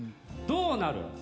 どうなる？